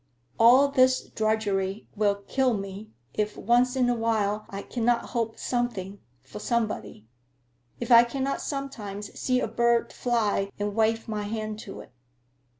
All this drudgery will kill me if once in a while I cannot hope something, for somebody! If I cannot sometimes see a bird fly and wave my hand to it."